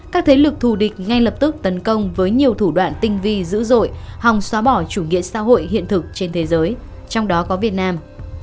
các thế lực thù địch ngay lập tức tấn công với nhiều thủ đoạn tinh vi dữ dội hòng xóa bỏ chủ nghĩa xã hội hiện thực trên thế giới trong đó có việt nam